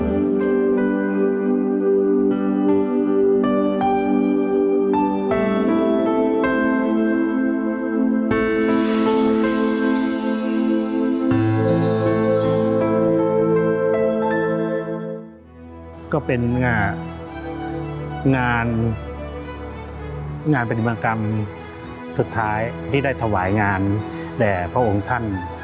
ก็เป็นงานงานปฏิบัติกรรมสุดท้ายที่ได้ถวายงานแด่พระองค์ท่าน